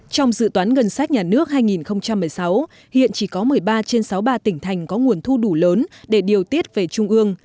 trong dự toán ngân sách nhà nước hai nghìn một mươi sáu hiện chỉ có một mươi ba trên sáu mươi ba tỉnh thành có nguồn thu đủ lớn để điều tiết về trung ương